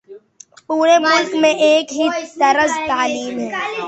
پورے ملک میں ایک ہی طرز تعلیم ہے۔